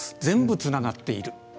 全部つながっている。